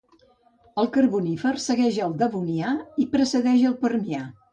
El Carbonífer segueix el Devonià i precedeix el Permià.